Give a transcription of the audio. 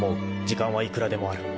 時間はいくらでもある］